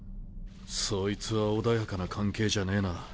そいつは穏やかな関係じゃねえな。